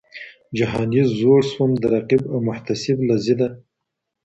جهاني زوړ سوم د رقیب او محتسب له ضده